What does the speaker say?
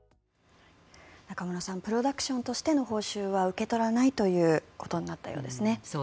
中室さんプロダクションとしての報酬は受け取らないということになったようですね。